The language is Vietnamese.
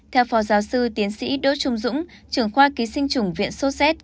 theo phó giáo sư tiến sĩ đỗ trung dũng trưởng khoa ký sinh trùng viện soset